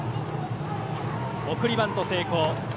送りバント成功。